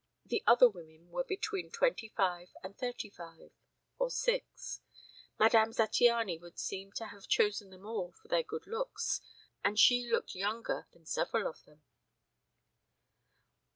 The other women were between twenty five and thirty five or six. Madame Zattiany would seem to have chosen them all for their good looks, and she looked younger than several of them.